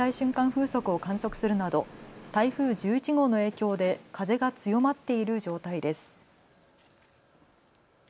風速を観測するなど台風１１号の影響で風が強まっている状態です。